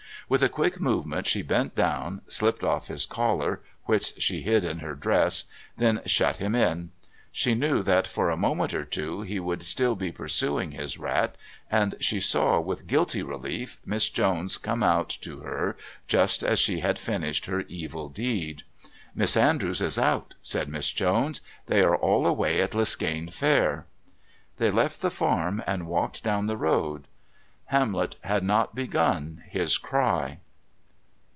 With a quick movement she bent down, slipped off his collar, which she hid in her dress, then shut him in. She knew that for a moment or two he would still be pursuing his rat, and she saw, with guilty relief, Miss Jones come out to her just as she had finished her evil deed. "Miss Andrews is out," said Miss Jones. "They are all away at Liskane Fair." They left the farm and walked down the road. Hamlet had not begun his cry.